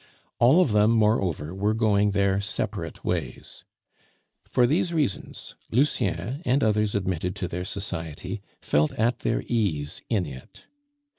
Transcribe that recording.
All of them, moreover, were going their separate ways. For these reasons, Lucien and others admitted to their society felt at their ease in it.